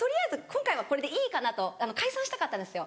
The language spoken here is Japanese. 今回はこれでいいかなと解散したかったんですよ